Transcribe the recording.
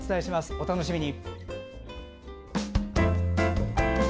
お楽しみに。